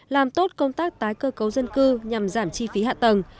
làm tốt công tác tái cơ cấu dân cư nhằm giảm chi phí hạ tầng